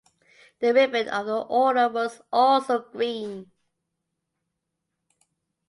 The ribbon of the order was also green.